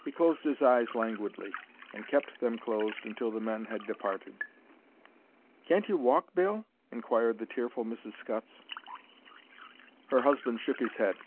He closed his eyes languidly, and kept them closed until the men had departed. "Can't you walk, Bill?" inquired the tearful Mrs. Scutts. Her husband shook his head.